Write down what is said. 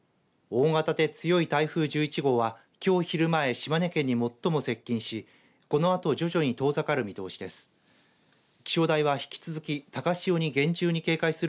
大型で強い台風１１号はきょう昼前島根県に最も接近しこのあと徐々に遠ざかる見通しです。